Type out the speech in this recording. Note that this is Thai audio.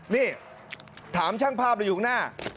นี่ถามช่างภาพเลยอยู่ข้างหน้า